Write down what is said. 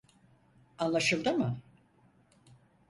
AnlaşıIdı mı?